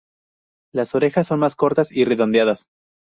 Las orejas son más cortas y redondeadas.